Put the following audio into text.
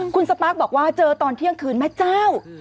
คุณสปาร์คบอกว่าเจอตอนเที่ยงคืนแม่เจ้า